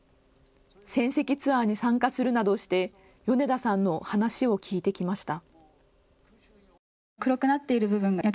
戦跡ツアーに参加するなどして米田さんの話を聞いてきました。